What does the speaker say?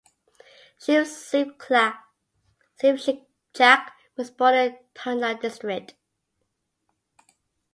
Shiv Singh Chak was born in Tundla district.